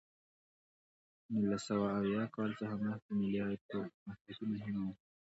د نولس سوه اویا کال څخه مخکې ملي عاید په پرمختیا کې مهم و.